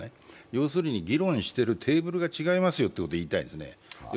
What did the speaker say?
要するに議論してるテーブルが違いますよと言いたいんですね。